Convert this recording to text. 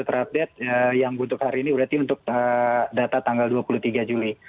terupdate yang butuh hari ini berarti untuk data tanggal dua puluh tiga juli